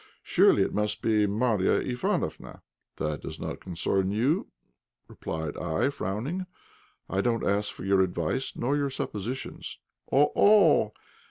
Surely it must be Marya Ivánofna?" "That does not concern you," replied I, frowning; "I don't ask for your advice nor your suppositions." "Oh! oh!